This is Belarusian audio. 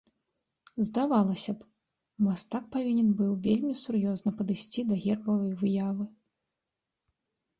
Здавалася б, мастак павінен быў вельмі сур'ёзна падысці да гербавай выявы.